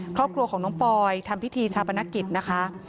ครอบครัวของน้องปอยทำพิธีชาปนกิจนะคะ